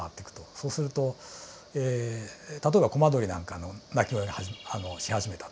そうすると例えばコマドリなんかの鳴き声がし始めたと。